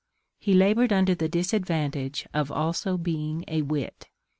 He laboured under the disadvantage of being also a wit.